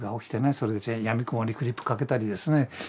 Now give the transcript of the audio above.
それでやみくもにクリップかけたりですね